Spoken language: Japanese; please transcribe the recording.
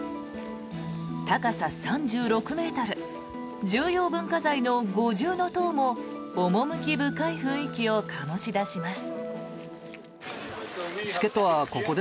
高さ３６ｍ重要文化財の五重塔も趣深い雰囲気を醸し出します。